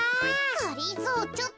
がりぞーちょっとじゃま。